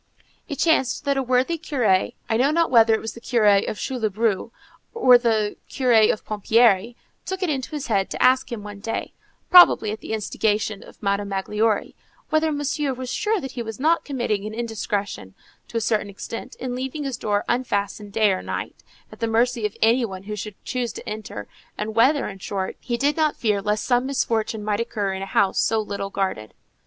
It chanced that a worthy curé, I know not whether it was the curé of Couloubroux or the curé of Pompierry, took it into his head to ask him one day, probably at the instigation of Madame Magloire, whether Monsieur was sure that he was not committing an indiscretion, to a certain extent, in leaving his door unfastened day and night, at the mercy of any one who should choose to enter, and whether, in short, he did not fear lest some misfortune might occur in a house so little guarded.